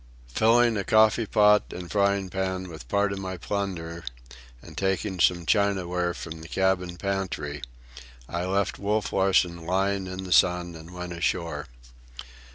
Filling a coffee pot and frying pan with part of my plunder, and taking some chinaware from the cabin pantry, I left Wolf Larsen lying in the sun and went ashore.